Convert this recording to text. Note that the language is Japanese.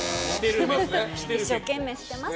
一生懸命しています。